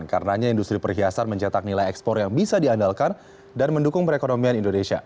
karenanya industri perhiasan mencetak nilai ekspor yang bisa diandalkan dan mendukung perekonomian indonesia